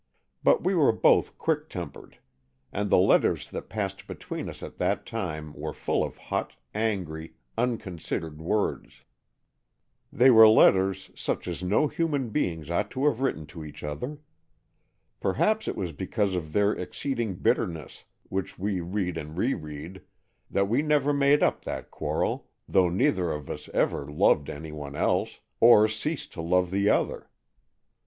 But we were both quick tempered, and the letters that passed between us at that time were full of hot, angry, unconsidered words. They were letters such as no human beings ought to have written to each other. Perhaps it was because of their exceeding bitterness, which we read and reread, that we never made up that quarrel, though neither of us ever loved any one else, or ceased to love the other.